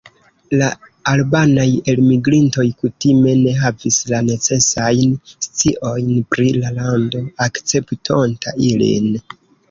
La albanaj elmigrintoj kutime ne havis la necesajn sciojn pri la lando akceptonta ilin.